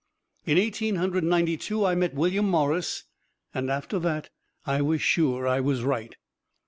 In Eighteen Hundred Ninety two, I met William Morris, and after that I was sure I was right.